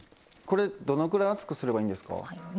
これどのぐらい厚くすればいいんですか？